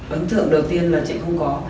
ấn tượng đầu tiên là chị không có